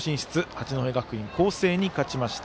八戸学院光星に勝ちました。